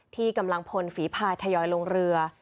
ที่กำลังพลฝีภายทยอยลงเรือ